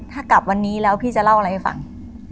ถ้ากลับวันนี้แล้วพี่จะเล่าอะไรให้ฟัง